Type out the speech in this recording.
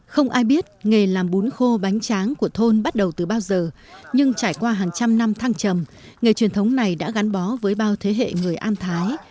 không ai biết nghề làm bún khô bánh tráng của thôn bắt đầu từ bao giờ nhưng trải qua hàng trăm năm thăng trầm nghề truyền thống này đã gắn bó với bao thế hệ người an thái